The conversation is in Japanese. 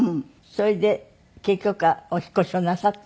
それで結局はお引っ越しをなさった？